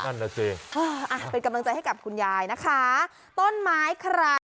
นั่นน่ะสิอ่ะเป็นกำลังใจให้กับคุณยายนะคะต้นไม้ใคร